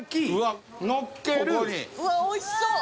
うわっおいしそう。